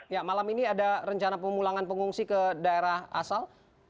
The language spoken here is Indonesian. ya malam ini ada rencana pemulangan pengungsi ke daerah asal